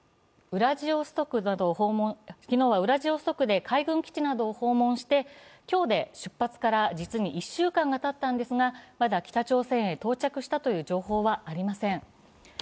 昨日はウラジオストクで、海軍基地などを訪問して、今日で出発から実に１週間がたったのですがまだ北朝鮮へ到着したという情報はありません